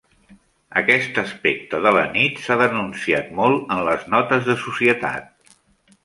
Aquest aspecte de la nit s'ha denunciat molt en les notes de societat.